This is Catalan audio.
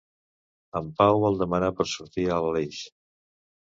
En Pau vol demanar per sortir a l'Aleix.